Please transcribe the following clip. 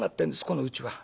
このうちは。